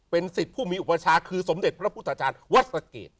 สิทธิ์ผู้มีอุปชาคือสมเด็จพระพุทธาจารย์วัดสะเกด